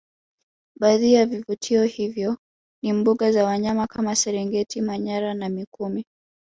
Baadhi ya vivutio hivyo ni mbuga za wanyama kama serengeti manyara na mikumi